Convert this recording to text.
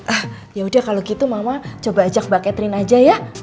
ah yaudah kalau gitu mama coba ajak bu catherine aja ya